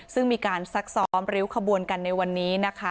ซึ่งมีการซักซ้อมริ้วขบวนกันในวันนี้นะคะ